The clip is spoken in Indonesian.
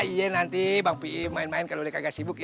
iya nanti bang pi'i main main kalau dia kagak sibuk ya